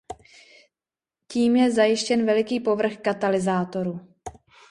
Tím je zajištěn veliký povrch katalyzátoru.